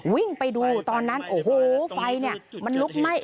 วิ่งไปดูตอนนั้นโอ้โหไฟเนี่ยมันลุกไหม้